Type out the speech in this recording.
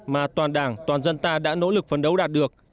mà toàn đảng toàn dân ta đã nỗ lực phấn đấu đạt được